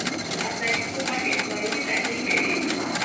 مصنوعي سپوږمکۍ د ناروغۍ تحلیل کوي.